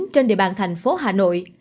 trên địa bàn thành phố hà nội